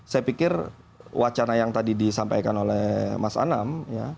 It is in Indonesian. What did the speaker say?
saya pikir wacana yang tadi disampaikan oleh mas anam